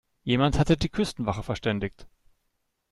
Jemand hatte die Küstenwache verständigt.